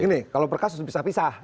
ini kalau per kasus bisa bisa